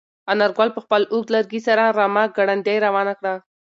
انارګل په خپل اوږد لرګي سره رمه ګړندۍ روانه کړه.